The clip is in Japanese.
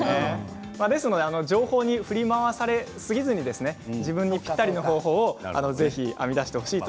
ですので情報に振り回されすぎずに自分にぴったりの方法をぜひ編み出してほしい